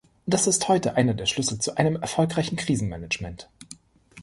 Das ist heute einer der Schlüssel zu einem erfolgreichen Krisenmanagement.